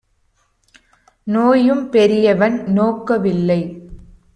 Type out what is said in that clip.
நோயும் பெரியவன் நோக்க வில்லை!